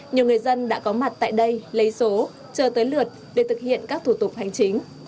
nhiều người dân đã có mặt tại đây lấy số chờ tới lượt để thực hiện các thủ tục hành chính